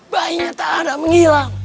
bayinya tak ada menghilang